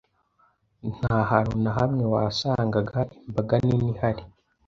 Nta hantu na hamwe wasangaga imbaga nini ihari